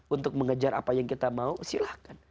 untuk mengejar apa yang kita mau silahkan